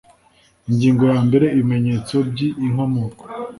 Ingingo ya mbere Ibimenyetso by inkomoko